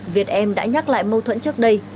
việt em đã nhắc lại mâu thuẫn trước đây